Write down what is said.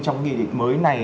trong nghị định mới này